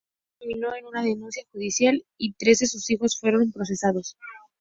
El caso terminó en una denuncia judicial y tres de sus hijos fueron procesados.